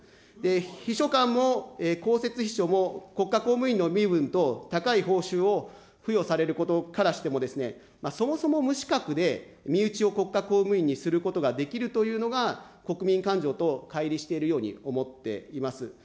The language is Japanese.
秘書官も、公設秘書も国家公務員の身分と高い報酬を付与されることからしても、そもそも無資格で、身内を国家公務員にすることができるというのが、国民感情とかい離しているように思っています。